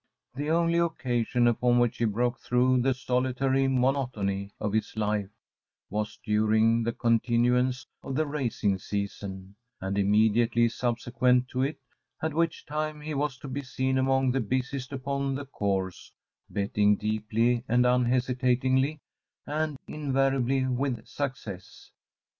The only occasion upon which he broke through the solitary monotony of his life was during the continuance of the racing season, and immediately subsequent to it; at which time he was to be seen among the busiest upon the course, betting deeply and unhesitatingly, and invariably with success.